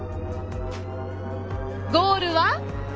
ゴールは。